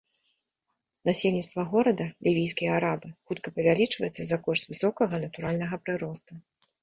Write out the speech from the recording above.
Насельніцтва горада, лівійскія арабы, хутка павялічваецца за кошт высокага натуральнага прыросту.